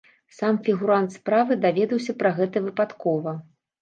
Сам фігурант справы даведаўся пра гэта выпадкова.